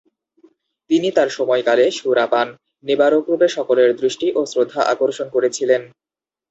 তিনি তার সময়কালে সুরাপান নিবারকরূপে সকলের দৃষ্টি ও শ্রদ্ধা আকর্ষণ করেছিলেন।